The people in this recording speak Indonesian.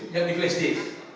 yang di flash disk